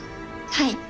はい。